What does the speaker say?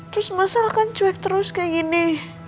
terus masal kan cuek terus kayak gini